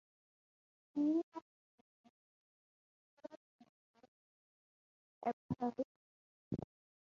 Many of his contemporaries considered the novel to be a prose poem.